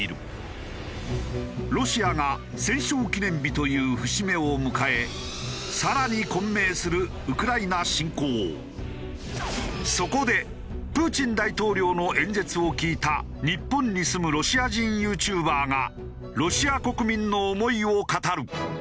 ロシアが戦勝記念日という節目を迎えそこでプーチン大統領の演説を聞いた日本に住むロシア人ＹｏｕＴｕｂｅｒがロシア国民の思いを語る。